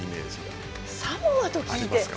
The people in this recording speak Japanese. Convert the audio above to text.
えっサモアと聞いて？